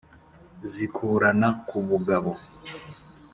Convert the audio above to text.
zikurana ku bugabo.